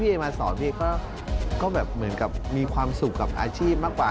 เอมาสอนพี่ก็แบบเหมือนกับมีความสุขกับอาชีพมากกว่า